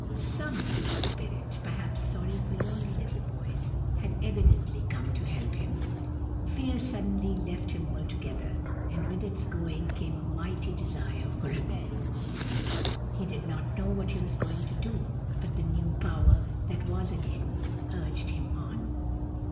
Some good Spirit, perhaps sorry for lonely little boys, had evidently come to help him. Fear suddenly left him altogether, and with its going came a mighty desire for revenge. He did not know what he was going to do, but the new power that was in him urged him on.